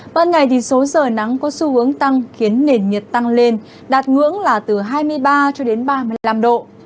ban ngày thì số giờ nắng có xu hướng tăng khiến nền nhiệt tăng lên đạt ngưỡng là từ hai mươi ba cho đến ba mươi năm độ